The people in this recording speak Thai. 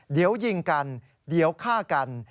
เดี๋ยวยิงกันเดี๋ยวฆ่ากัน